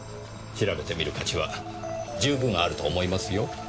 調べてみる価値は十分あると思いますよ。